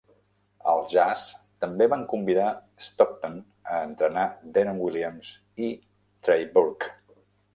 Els Jazz també van convidar Stockton a entrenar Deron Williams i Trey Burke.